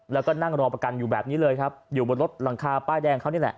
แล้วก็นั่งรอประกันอยู่แบบนี้เลยครับอยู่บนรถหลังคาป้ายแดงเขานี่แหละ